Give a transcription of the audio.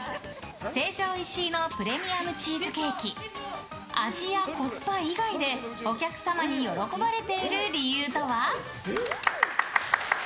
成城石井のプレミアムチーズケーキ味やコスパ以外でお客様に喜ばれている理由とは？